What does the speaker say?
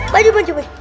bagi banjir boy